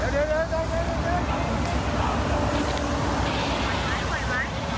เดี๋ยว